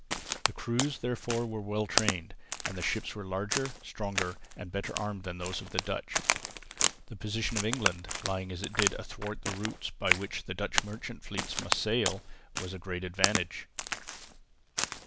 The crews therefore were well trained, and the ships were larger, stronger and better armed than those of the Dutch. The position of England, lying as it did athwart the routes by which the Dutch merchant fleets must sail, was a great advantage.